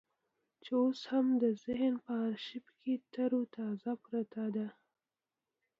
چې اوس مې هم د ذهن په ارشيف کې ترو تازه پرته ده.